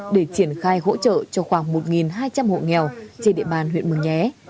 để triển khai hỗ trợ cho khoảng một hai trăm linh hộ nghèo trên địa bàn huyện mường nhé